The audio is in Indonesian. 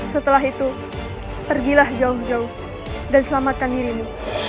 setelah itu pergilah jauh jauh dan selamatkan dirimu